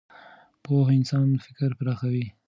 پوهه د انسان فکر پراخوي.